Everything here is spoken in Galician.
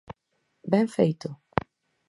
Ben feito!